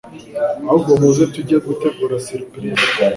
Ahubwo muze tujye gutegura surprise